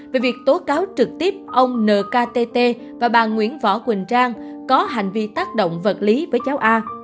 về việc tố cáo trực tiếp ông nkt và bà nguyễn võ quỳnh trang có hành vi tác động vật lý với cháu a